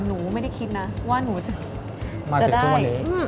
หนูไม่ได้คิดนะว่าหนูจะได้